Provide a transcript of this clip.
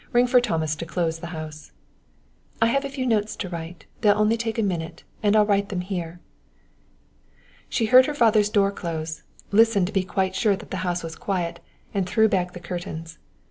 Ring for Thomas to close the house." "I have a few notes to write; they'll take only a minute, and I'll write them here." She heard her father's door close, listened to be quite sure that the house was quiet, and threw back the curtains.